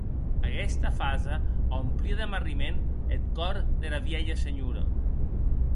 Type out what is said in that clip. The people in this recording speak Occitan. Aguetsa fasa aumplie de marriment eth còr dera vielha senhora.